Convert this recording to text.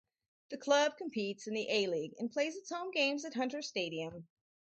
The club competes in the A-League and plays its home games at Hunter Stadium.